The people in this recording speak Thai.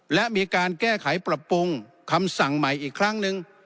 และมีการแก้ไขปรับปรุงคำสั่งใหม่อีกครั้งหนึ่ง